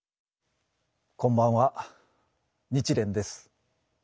こんばんは日蓮です。